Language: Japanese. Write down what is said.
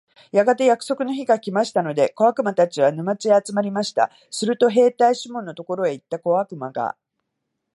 やがて約束の日が来ましたので、小悪魔たちは、沼地へ集まりました。すると兵隊シモンのところへ行った小悪魔が、